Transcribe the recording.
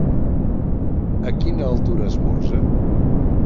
A quina altura esmorza?